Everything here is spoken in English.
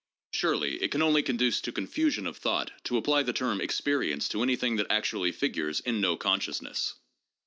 Surely it can only conduce to confusion of thought to apply the term experience to anything that actually figures in no consciousness.